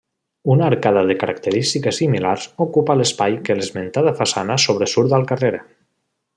Una arcada de característiques similars ocupa l'espai que l'esmentada façana sobresurt al carrer.